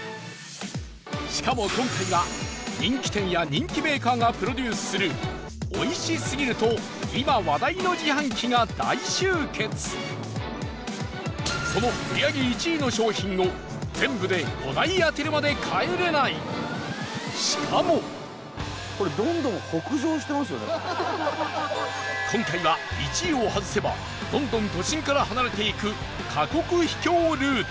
しかも、今回は人気店や人気メーカーがプロデュースするおいしすぎると今話題の自販機が大集結その売り上げ１位の商品を全部で５台当てるまで帰れないしかも今回は、１位を外せばどんどん都心から離れていく過酷秘境ルート